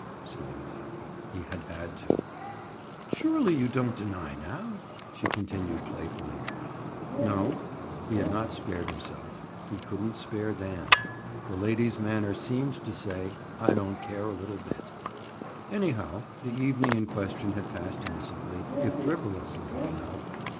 Slowly. He had had to. "Surely you don't deny now?" she continued playfully. "No." He had not spared himself. He couldn't spare Dan. The lady's manner seemed to say: "I don't care a little bit." Anyhow, the evening in question had passed innocently, if frivolously, enough.